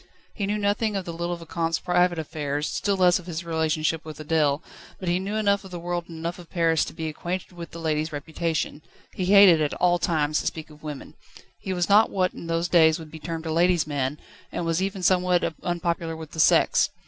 He knew nothing of the little Vicomte's private affairs, still less of his relationship with Adèle, but he knew enough of the world and enough of Paris to be acquainted with the lady's reputation. He hated at all times to speak of women. He was not what in those days would be termed a ladies' man, and was even somewhat unpopular with the sex.